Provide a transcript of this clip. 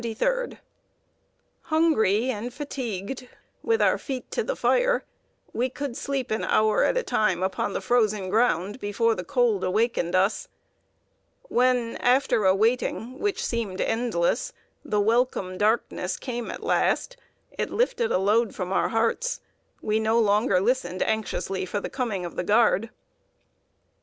_ [Sidenote: HELP IN THE LAST EXTREMITY.] Hungry and fatigued, with our feet to the fire, we could sleep an hour at a time upon the frozen ground before the cold awakened us. When, after a waiting which seemed endless, the welcome darkness came at last, it lifted a load from our hearts; we no longer listened anxiously for the coming of the Guard.